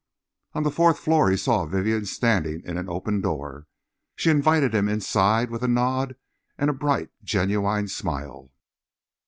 On the fourth floor he saw Vivienne standing in an open door. She invited him inside, with a nod and a bright, genuine smile.